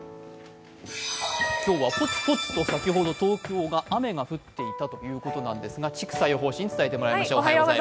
今日はポツポツと先ほど、東京は雨が降っていたということですが千種予報士に伝えてもらいましょう。